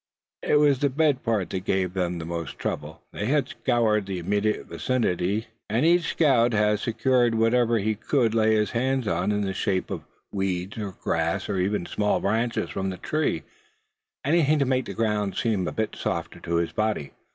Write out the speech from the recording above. It was the bed part that gave them the most trouble. They had scoured the immediate vicinity, and each scout had secured whatever he could lay his hands on in the shape of weeds, or grass, or even small branches from the tree anything to make the ground seem a bit softer to his body.